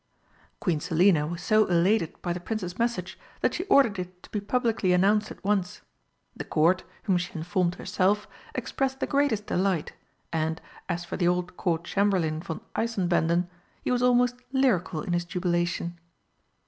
Queen Selina was so elated by the Prince's message that she ordered it to be publicly announced at once. The Court, whom she informed herself, expressed the greatest delight, and, as for the old Court Chamberlain von Eisenbänden, he was almost lyrical in his jubilation.